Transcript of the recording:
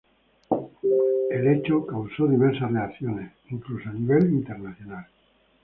El hecho causó diversas reacciones, incluso a nivel internacional.